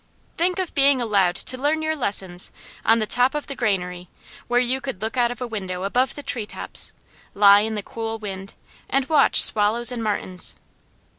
Think of being allowed to learn your lessons on the top of the granary, where you could look out of a window above the treetops, lie in the cool wind, and watch swallows and martins.